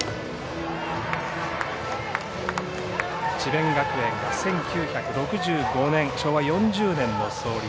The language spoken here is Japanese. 智弁学園が１９６５年昭和４０年の創立。